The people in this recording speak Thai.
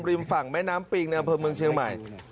ริมฝั่งแม่น้ำปิงในอำเภอเมืองเชียงใหม่